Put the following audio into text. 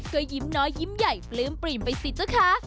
ก็ยิ้มน้อยยิ้มใหญ่ปลื้มปริ่มไปสินะคะ